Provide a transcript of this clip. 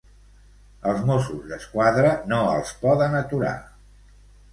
Els Mossos d'Esquadra no els poden aturar.